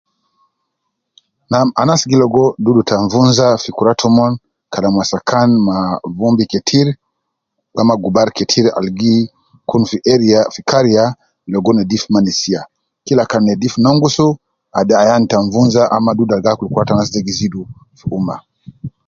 Nam anas gi logo dudu ta nvunza fi kura tomon Kalam wasakan ma vumbi ketir ama gubar ketir ab gi kun fi area fi kariya logo nedif ma nesiya, kila kan nedif nongus ,ad ayan ta nvunza ama dudu al gi akul kura te anas de gi zidu fi umma